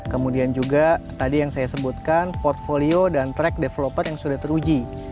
kemudian juga tadi yang saya sebutkan portfolio dan track developer yang sudah teruji